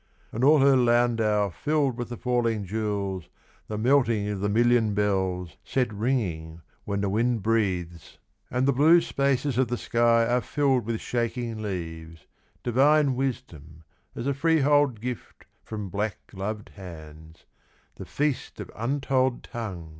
And all her landau Filled with the falling jewels — The melting of the million bells Set ringing when the wind breathes And the blue spaces of the sky Are filled with shaking leaves — Divine wisdom as a freehold gift From black gloved hands — The feast of untold tongues